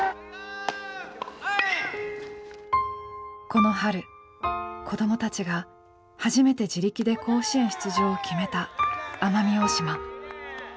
この春子どもたちが初めて自力で甲子園出場を決めた奄美大島。